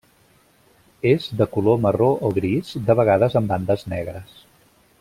És de color marró o gris, de vegades amb bandes negres.